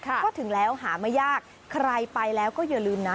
ก็ถึงแล้วหาไม่ยากใครไปแล้วก็อย่าลืมนะ